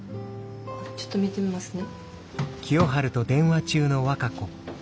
ちょっと見てみますね。